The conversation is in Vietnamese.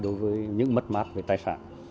đối với những mất mát về tài sản